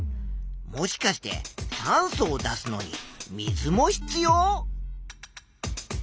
もしかして酸素を出すのに水も必要？